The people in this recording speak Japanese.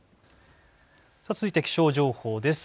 続いて気象情報です。